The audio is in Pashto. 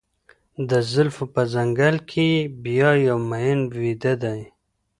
د زلفو په ځـنــګل كـي يـې بـيــا يـو مـيـن ويــــده دى